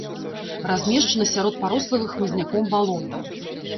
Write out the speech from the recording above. Размешчана сярод парослага хмызняком балота.